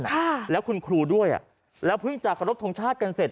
ค่ะแล้วคุณครูด้วยอ่ะแล้วเพิ่งจะขอรบทรงชาติกันเสร็จ